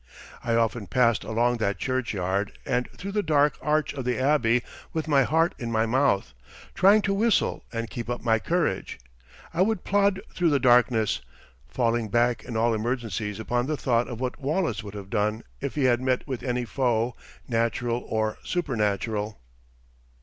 I often passed along that churchyard and through the dark arch of the Abbey with my heart in my mouth. Trying to whistle and keep up my courage, I would plod through the darkness, falling back in all emergencies upon the thought of what Wallace would have done if he had met with any foe, natural or supernatural.